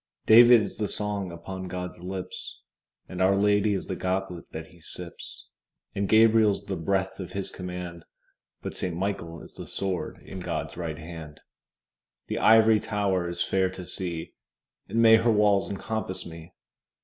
David is the song upon God's lips, And Our Lady is the goblet that He sips: And Gabriel's the breath of His command, But Saint Michael is the sword in God's right hand. The Ivory Tower is fair to see, And may her walls encompass me!